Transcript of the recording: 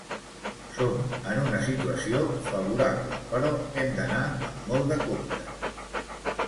Som en una situació favorable però hem d’anar amb molt de compte.